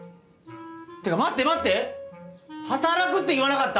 てか待って待って「働く」って言わなかった？